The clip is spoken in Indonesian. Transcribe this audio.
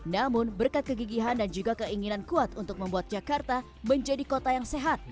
namun berkat kegigihan dan juga keinginan kuat untuk membuat jakarta menjadi kota yang sehat